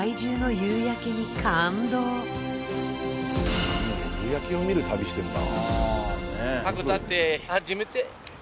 夕焼けを見る旅してるんだ。